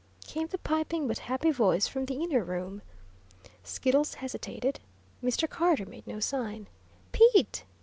came the piping but happy voice from the inner room. Skiddles hesitated. Mr. Carter made no sign. "Pete!